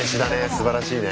すばらしいね。